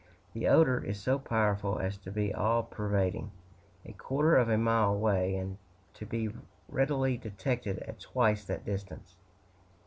The odor is so powerful as to be all pervading, a quarter of a mile away, and to be readily detected at twice that distance.